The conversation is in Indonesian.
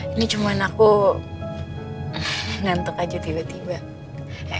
ini cuma aku ngantuk aja tiba tiba